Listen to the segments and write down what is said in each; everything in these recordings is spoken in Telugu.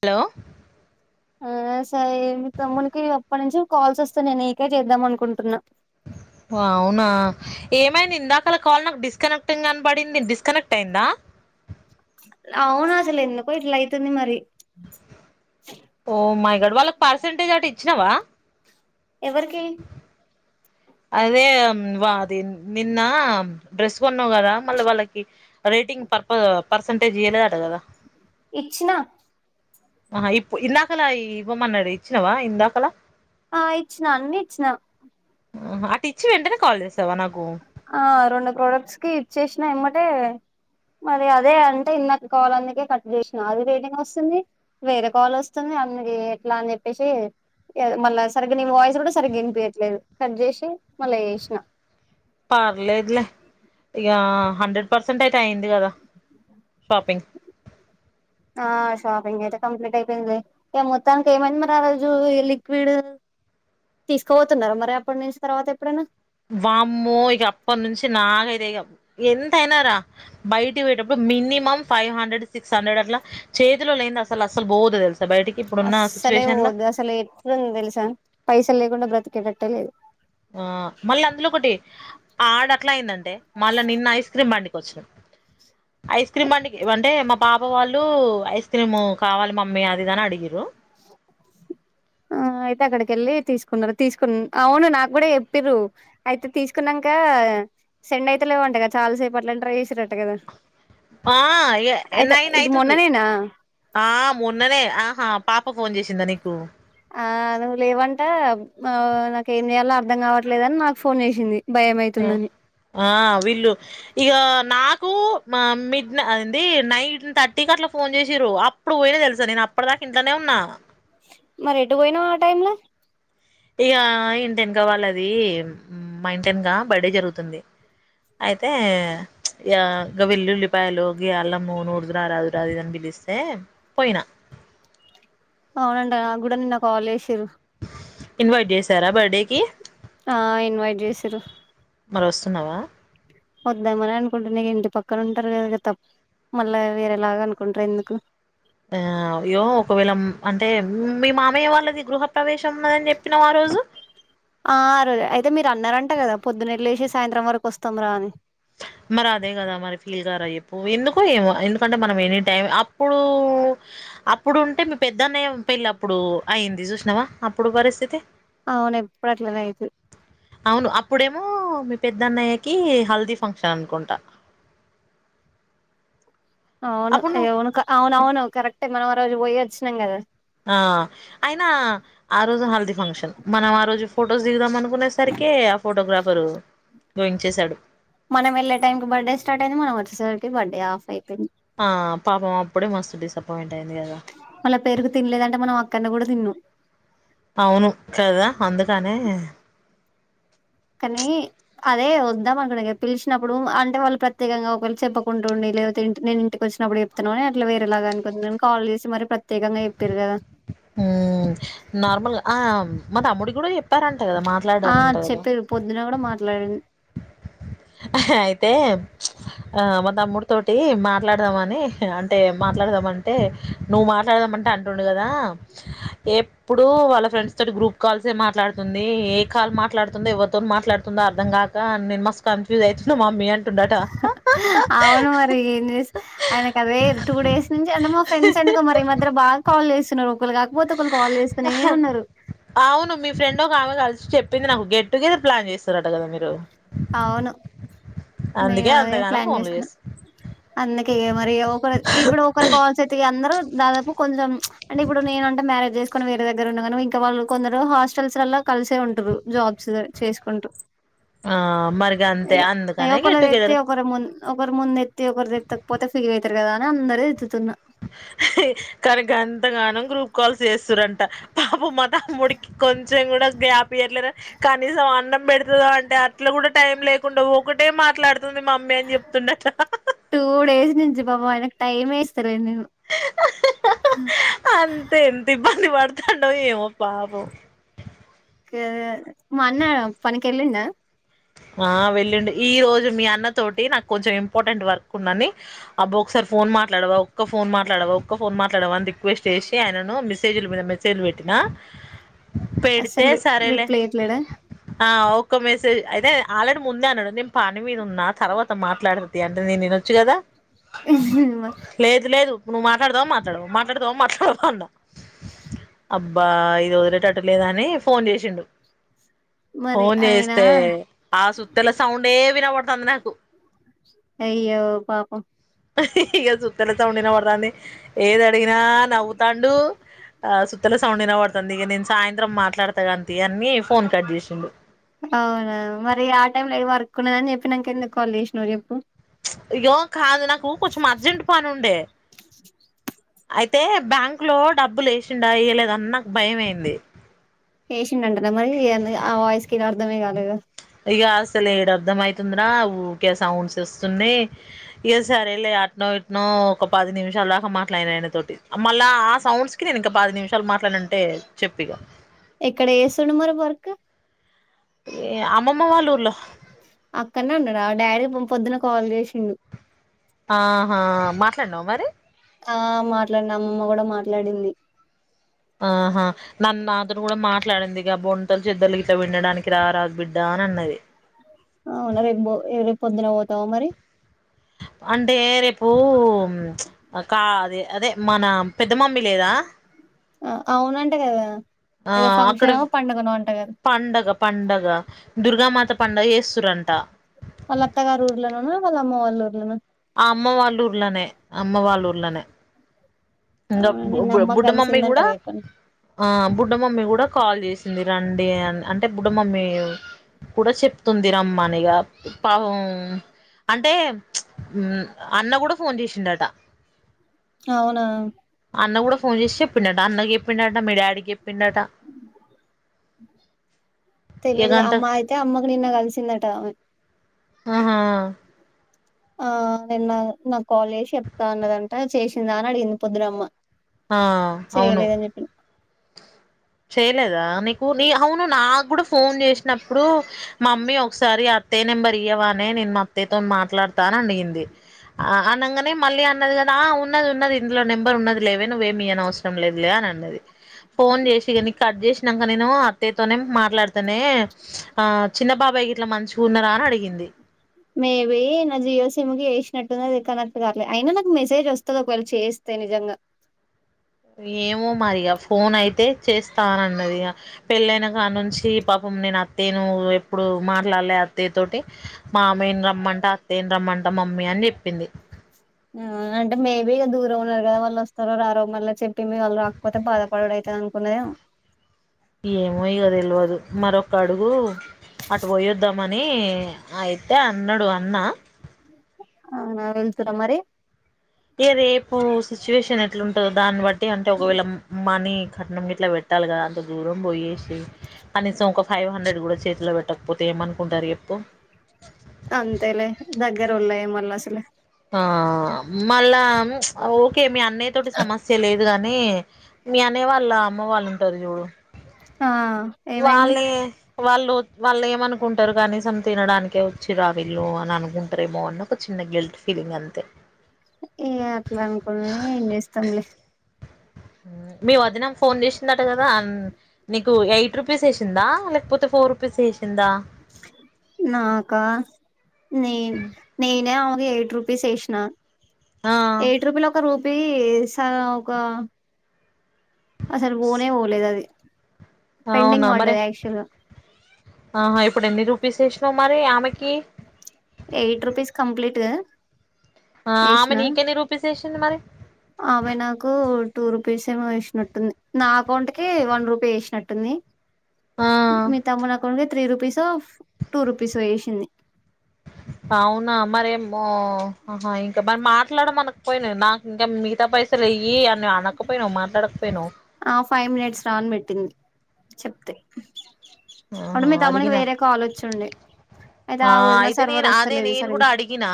హలో ఆ సరే మీ తమ్మునికి అప్పటినుంచి కాల్స్ వస్తాన్నాయి నీకే చేద్దాం అనుకుంటున్నా అవునా ఏమైనా ఇందాకలా కాల్ నాకు డిస్ డిస్కనెక్టింగ్ అనిబడింది డిస్కనెక్ట్ అయిందా అవును అసలు ఎందుకో ఇట్లా అవుతుంది మరి ఓ మై గాడ్ వాళ్ళ పర్సంటేజ్ అటు ఇచ్చినా వా ఎవరికి అదే వా అది నిన్న డ్రెస్ కొన్నావు కదా మళ్ళీ వాళ్ళకి రేటింగ్ పర్ప పర్సంటేజ్ ఇయ్యలేదట కదా ఇచ్చిన ఆహా ఇప్పు ఇందాకలా ఇవ్వమన్నాడు ఇచ్చినావా ఇందాకలా ఆ ఇచ్చినా అన్ని ఇచ్చినాం అటు ఇచ్చి వెంటనే కాల్ చేసావా నాకు ఆ రెండు ప్రోడక్ట్స్ కి ఇచ్చేసినా ఇమ్మటే మరి అదే అంటే ఇన్న కాల్ అందుకే కట్ చేసినా అది రేటింగ్ వస్తుంది వేరే కాల్ వస్తుంది అందుకే ఎట్లా అని చెప్పేసి మళ్ళా సరిగ్గా నే వాయిస్ కూడా సరిగ్గా ఇనిపియట్లేదు కట్ చేసి మళ్ళా చేసిన పర్లేదులే ఇక హండ్రెడ్ పర్సెంట్ అయితే అయింది కదా షాపింగ్ ఆ షాపింగ్ అయితే కంప్లీట్ అయిపోయింది ఇక మొత్తానికి ఏమైంది మరి ఆ రోజు లిక్విడ్ తీసుకోపోతున్నారు మరి అప్పటి నుంచి తర్వాత ఎప్పుడైనా వామ్మో ఇక అప్పటి నుంచి నాగైతే ఇక ఎంత అయినార బయటకి పోయేటప్పుడు minimum five hundred six hundred అట్లా చేతిలో లేనింది అసలు అసలు బోదు తెలుసా బయటికి ఇప్పుడున్న అస్సలే సిచ్యువేషన్ లో ఓదు అసలే ఎట్ంద తెల్సా పైస లేకుంట బత తిక పెట్టలేదు ఆ మళ్ళీ అందులో ఒకటి ఆడ అట్లా అయిందంటే మళ్ళా నిన్న ఐస్ క్రీమ్ బండికి వచ్చిన ఐస్ క్రీమ్ అంట అంటే మా బాబా వాళ్ళు ఐస్ క్రీమ్ కావాలి మమ్మీ అదిదని అడిగరు అక్కడికెళ్ళి తీసుకున్నారు తీసుకు అవును నాకు కూడా చెప్ప్ర అయితే తీసుకున్నాక సెండ్ అయితే లేవుంట కదా చాలాసేపు అట్లా ట్రై చేసి్రట కదా ఆ ఏ అయితే నైన్ ఇది అయితుంది మొన్ననేనా ఆ మూన్ననే ఆహా పాప ఫోన్ చేసింద ఇప్పు ఆ అ లేవంటే నాక ఏం చేయాలో అర్ధం కావట్లేదని నాకు ఫోన్ చేసింది భయం ఆ అయితుందని ఆ విల్లు ఇ నాకు మిడ్ అదంది నైట్ థర్టీకి అట్లా ఫోన్ చేసి్ర అప్పుడు పోయిన తెలుసా నేను అప్పటి దాకా ఇంట్లోనే ఉన్నా మరి ఎటు పోయినాం ఆ టైమ్ లో ఇక ఇంటెనకా వాళ్ళది మా ఇంటెనక బర్డే జరుగుతుంది అయితే ఇ ఇక వెల్లు ఉల్లిపాయలు గ అల్లము నూడుదురా రాదురా ఇదని పిలిస్తే పోయినా అవునం నా కూడా నిన్న కాల్ చేసారు ఇన్వాట సార బర్డేకి ఆ ఇన్వైట్ చేసారు మరొస్తున్నావా? వద్దామని అనుకుంటు నకు ఇంటి పక్కన ఉంటారు కదా కదా తప్ప మళ్ళా వేరేలాగా అనుకుంటారు ఎందుకు ఆ అయ్యో ఒకవేళ అంటే మీ మామయ్య వాళ్ళది గృహ ప్రవేశ ఉమ అని చెప్పినాం ఆ రోజు అంట కదా పొద్దున్నెలు వేసి సాయంత్రం వరకు వస్తం రా అని మరి అదే కదా మరి ఫీల్గారు అయ్యప్పు ఎందుకో ఏమో ఎందుకంటే మనం ఎనీ టైం అప్పుడు అప్పుడుంటే మీ పెద్దన్నయ పెళ్ళ అప్పుడు అయిింది చూసినావా అప్పుడు పరిస్థితి అవును ఎప్పుడు అట్లనే అయితది అవును అప్పుడేమో పెద్దన్నయ్యకి హల్దీ ఫంక్షన్ అనుకుంటా అప్పుడు నువ్వు అవునువును అవునవును కరెక్టే మనం ఆ రజు పోయి వచ్చినందా ఆ అయినా ఆ రోజు హల్దిీ ఫంక్షన్ మనం ఆ రోజు ఫోటో ఫొటోస్ దిగుదాం అనుకునే సరికి ఆ ఫోటోగ్రాఫరు ోయించేశాడు మనం వెళ్ళ టైం క బర్త్డే స్టార్ట్ అయింది మన వచ్చేసారికి బర్త్డే ఆఫ్ అయిపోయింది ఆ పాపం అప్పుడే మస్స్త డిస్ప్పంట మళ్ళ పేరుకు తినలేదంటే మనం అక్కడ కూడా తిను అవును కదా అందుకనే కానీ అదే వద్దాం అనకుడి పిలిచినప్పుడు అంటే వాళ్ళు ప్రత్యేకంగా ఒకేళు చెప్పుకుంటు ఉండి లేకపోతే ఇ నేను ఇంటికి వచ్చినప్పుడు చెప్తున్నానుని అట్లా వేరేలాగా అనుకు నేను కాల్ చేసి మరి ప్రత్యేకంగా చెప్పారు కదా నార్మల్ ఆ మా తమ్ముడి కూడా చెప్ ఆ చెప్పేది పొద్దున కూడా మాట్లాడింది అయితే ఆ మా తమ్ముడి తోటి మాట్లాడదామ అని అంటే మాట్లాడదామంటే నువ్వు మాట్లాడదాం అంటే అంటుండు కదా ఎప్పుడు వాళ్ళ ఫ్రెండ్స్ తోటి గ్రూప్ కాల్సే మాట్లాడుతుంది ఏ కాల్ మాట్లాడుతుందో ఎవరితో మాట్లాడుతుందో అర్థం కాక నేను మస్ కన్ఫ్యూజు అయితున్న మమీ అ అవును మరి ఏం చేస్ ఆయనకు అదే టూ డేస్ నుంచి అంటే మా ఫ్రెండ్స్ ఎందుకో మరి ఈ మధ్యలో కాల్ చేస్ తునవు అవును మీ ఫ్రెండ్ ఒకామె కల్ చెప్పింది నాకు గెట్ టు గెదర్ ప్లాన్ చేస్తురట కదా మీరు అవును మేము అందుకే అదే అంతగానం ప్లాన్ ఫోన్లు చేసుకున్నాం చేస్ అందుకే మరి ఇగ ఒకరు ఇప్పుడు ఒకరు కాల్సేయితే అందరూ దాదాపు కొందరం అంటే ఇప్పుడు నేనంటే మ్యారేజ్ జేస్ కొని వేరే దగ్గర ఉన్నగాను ఇంక వాళ్ళు కొందరు హాస్టల్స్ లల్లా కలిసే ఉంటారు జాబ్స్ చేసుకుంటూ ఆ మరి గంతే ఇగ అందుకనే గెట్ ఒకలదెత్తి టుగెదర్ ఒకరు మున్ ఒకరి ముందు ఎత్తి ఒకరిదెత్తకపోతే ఫీలై కదా అని అందరే ఎద్తున్నారు కానుక ఎంతగానో గ్రూప్ కాల్స్ చేస్తుారంట పాప మత్త తమ్ముడికి కొంచెం కూడా గ్యాప్ ఇయట్లేదు కనీసం అన్నం పెడుతుదా అంటే అట్లా కూడా టైం లేకుండా ఒటి మాట్లాడ టూ డేస్ నుంచి బాబ మనకు టైం వే అంతే ఎంత ఇబ్బంది వాతు డో ఏమో పాప మా అన్న పనకి వెళ్ళిండా ఆ వెళ్ళండు ఈ రోజు మీ అన్న తోటి నాకు కొంచెం ఇంపార్టెంట్ వర్క్ ఉన్నని అబ్బో ఒకసారి ఫోన్ మాట్లాడవా ఒక్క ఫోన్ మాట్లాడవా ఒక్క ఫోన్ మాట్లాడవా అని రిక్వెస్ట్ చేసి ఆయనను మెసేజ్ల మీద మెసేజ్ పెట్టినా పెడితే అసలు రేప్ సరేలే రిప్లేట్లడా ఆ ఒక్క మెసేజ్ అయితే ఆల్రెడీ ముందే అన్నాడు నేను పని మీద ఉన్నా తర్వాత మాట్లాడది అంటే నేను వినొచ్చు కదా లేదు లేదు నువ్వు మాట్లాడతావ మాట్లాడ మాట్లాడుతావ మాట్లాడతా అన్నా అబ్బా ఇది వదిలేటట్టు లేదా అని ఫోన్ చేసిండు మరి ఫోన్ ఆయన చేస్తే ఆ సుతల సౌండ్ ఎవినా బడుతుందినకు అయ్యో పాపం ఇక సుత్తల సౌండ్న పడుతుంది, ఏది అడిగినా నవ్వుతాండు, ఆ సుత్తల సౌండ్నా పడుతుంది ఇక నేను సాయంత్రం మాట్లాడతా కాంతి అన్ని ఫోన్ కట్ చేసిండు అవునా, మరి ఆ టైమ్ లో ఏది వర్క్ ఉన్నదని చెప్పి నాక ఎందుకు కాల్ చేసిన్ చెప్పు ఇగొ కాదు నాకు కొంచెం అర్జెంట్ పని ఉండే అయితే బ్యాంకు లో డబ్బులు వేసిండా ఎయ్యలేద అని నాకు భయం అయింది. పేషింటంట న మరి అ వయిస్ క అర్థమే కాలేదు ఇక అసలుడు అర్ధం అవుతుందిరా ఊరికే సౌండ్స్ ఇస్తున్నా, ఇ సరే లే అట్నో ఇట్నో ఒక పది నిమిషాలు దాకా మాట్లాడిన ఆయన తోటి, మళ్ళా ఆ సౌండ్స్ కి నేను ఇంక పాది నిమిషాలు మాట్లాడిన అంటే చెప్పి ఇక ఇక్కడ ఏసుడుమరి వర్క్ ఏ అమ్మమ్మ వాళ్ళ ఊర్లో అక్కడనే అన్నాడు ఆ డాడీ పొద్దున్న కాల్ చేసిండు ఆహా మాట్లాడునావ మరి ఆ మాట్లాడనము అమ్మమ్మ కూడా మాట్లాడింది ఆహా నన్ను నాతోను కూడా మాట్లాడిందిగా బంటలు చెద్దల గిత వినడానికి రా రాదు బిడ్డ అని అన్నది అవునా రేపు రేపు పొద్దున పోతావా మరి అంటే రేపు కా అదే మన పెద్ద మమ్మీ లేదా అ అవునంటా కదా ఆ ఏదో అక్కడ ఫంక్షన్ పండుగనో అంట కదా పండగ పండగ దుర్ గామాత పండుగ చేస్తురంట వాళ్ళ అత్త గర్ ఊర్లోనా వాళ్ అమ్మ ఉర్లోనా అమ్మ వాళ్ళూర్లనే అమ్మ వాళ్ళూర్లనే ఇంకా అవునా నిన్న అమ్మకు బుడ్డ మమ్మీ కూడా కలిసిందంటగా ఎక్కడ ఆ బుడ్డ మమ్మీ కూడా కాల్ చేసింది రండి అని అంటే బుడ్డ మమ్మ కూడ చెప్తుంది రమ్మనిగా పాపం అంటే హ్ అన్న కూడా ఫోన్ చేసిండట అవునా అన్న కూడా ఫోన్ చేసి చెప్పిండట అన్నకి చెప్పిండట మీ డాడీకిప్ తెలువద్ ఇగ అమ్మ అయితే అమ్మకు నిన్న కలిసిందట ఆమె ఆహా ఆ నిన్న నాక్ కాల్ చేసి చెప్తా అన్నదంట చేసిందా అని అడిగింది పొద్దున అమ్మ ఆ అవును ఇయ్యలేదా నీకు నీ అవును నాకు కూడా ఫోన్ చేసినప్పుడు, మమ్మీ ఒకసారి అత్తయ్య నెంబర్ ఇయ్యవా నే నేన్ మా అత్తయ్యతో మాట్లాడతా అని అడిగింది, ఆనంగనే మళ్ళీ అన్నది కదా, ఆ ఉన్నది ఉన్నది ఇందులో నెంబర్ ఉన్నది లేవే, నువ్వేమి ఇవ్వ నవసరం లేదు లే అని అన్నది ఫోన్ చే. ఇగ నీ కట్ చేసినాక నేను అత్తయ్య తోనే మాట్లాడ్ తనే ఆ చిన్న బాబాయి గి ఇట్లా మంచిగా ఉన్నారా అని అడిగింది మేబీ నా జియో సిమ్ కి చేసినట్టుంది. అది కనెక్ట్ కాలే అయినా నాకు మెసేజ్ వస్తది, ఒకవేళ చేస్తే నిజంగా. ఏమో మరిగా ఫోన్ అయితే చేస్తానన్నది ఇగ పెళ్ళైన కా నుంచి పాపం నేను అత్తయ్యను ఎప్పుడు మాట్లాడలే, అత్తయ్య తోటి మామయ్యన్ రమ్మంట, అత్తయ్యని రమ్మంట మమ్మీ అని చెప్పింది. హు అంటే మేబీ ఇగ దూరం ఉన్నారు కదా, వాళ్ళు వస్తారో రారో మళ్ళీ చెప్పి మీ వాళ్ళు రాకపోతే బాధపడుడు అయితది అనుకున్నదేమో. ఏమో ఇగదెల్వదు మరొక్కడుగు అటు పోయొద్దామని అయితే అన్నాడు అన్న ఆ నవ వెళ్తురా మరి ఏ రేపు సిచ్యువేషన్ ఎట్లుంటందో దాన్ని బట్టి అంటే ఒకవేళ మనీ కట్నం ఇట్లా పెట్టాలి కదా అంత దూరం పోయేసి కనీసం ఒక ఫైవ్ హండ్రెడ్ కూడా చేతిలో పెట్టకపోతే ఏమనుకుంటారు ఎప్పు అంతేలే దగ్గర ఉళ్ళ ఏ మల్లాసలే ఆ మళ్ళా ఓకే మీ అన్న తోటి సమస్య లేదు గాని మీ అనే వాళ్ళ అమ్మ వాళ్ళుంటారు చూడు ఆ ఏమైంది. వాళ్ళే వాళ్ళు వాళ్ళు ఏమనుకుంటారు కనీసం తినడానినికే వచ్చిర్ర వీళ్ళు అని అనుకుంటారేమో అన్న ఒక చిన్న గిల్ట్ ఫిలింగ్ అంతే. ఇంగ అట్లా అనుకున్నా ఏం చేస్తాంలే. మీ వదినకి ఫోన్ చేసి ందట కదా నీకు ఎయిట్ రుపీస్ వేసిందా లేకపోతే ఫోర్ రుపీస్ వేసిందా. నాకా నేన్ నీనేవు ఎయిట్ రుపీస్ వేసిన ఆ ఎయిట్ రూపీ లో ఒక రూప్ పీ వేసనుగా అసలు పోనే పోలేదు అది. పెండింగ్ అవునా మరే పడ్డది యాక్చువల్ గా ఆహా ఇప్పుడు ఎన్నిరు పీస్ వేషినవ్ మరి ఆమెకి ఎయిట్ రుపీస్ కంప్లీట్. ఆమె ఎషిన నీకెన్ని రూపీస్ వేసింది మరి ఆమె నాకు టూ రూప్ రూప్పేస్ ఏమో వేసినట్టుంది. నా అకౌంట్ కి వన్ రూపీ వేసినట్టుంది. ఆ మీ తమ్మునాకౌంట్ త్రీ రూపీస్ టూ రూపీస్ వేషింది. అవునా మరేమో ఆహా ఇంకా మరి మాట్లాడం అనకపోయినా నాకు ఇంకా మిగతా పైసలు వెయ్యి అని అనకపోయినావు మాట్లాడకపోయినావు. ఆ ఫైవ్ మినిట్స్ రా అని పెట్టింది చెప్తే అప్పుడు ఆహా మీ తమ్మునికి అడిగినా వేరే కాల్ వచ్చుండే అయితే ఆ వదిన అయితే సర్వర్ నేను అదే వస్తలేదు నేను సరిగ్ కూడా అడిగినా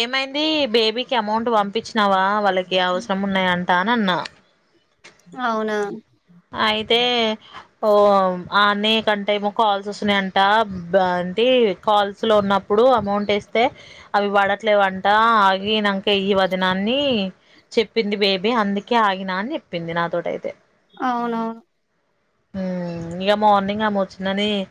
ఏమైంది. బేబీ కీ అమౌంట్ పంపించినావా వాళ్ళకి అవసరం ఉన్నాయి అంటా అని అన్నా అవునా అయితే ఓ అనేకంటేేమో కాల్స్ వస్తున్నాయింట అ బ్ ఏంటి కాల్స్ లో ఉన్నప్పు అప్పుడు అమౌంట్ వేస్తే అవి పడట్లేవంట ఆగినాంక ఎయ్యి వదినాన్ని చెప్పింది బేబీ అందుకే ఆగిన అని చెప్పింది నాతోటియితే అవునవును. ఊ ఇగ మార్నింగ్ ఆమె వచ్చిందని